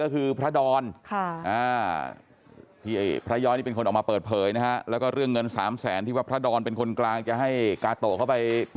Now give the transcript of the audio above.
สึกแล้วก็จบ